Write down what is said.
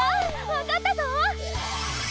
わかったぞ！